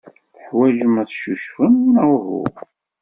Teḥwajem ad teccucfem, neɣ uhu?